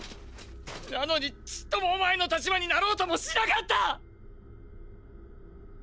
⁉なのにちっともお前の立場になろうともしなかった！！